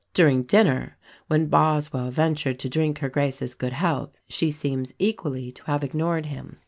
During dinner, when Boswell ventured to drink Her Grace's good health, she seems equally to have ignored him.